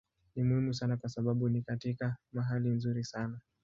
Ni muhimu sana kwa sababu ni katika mahali nzuri sana.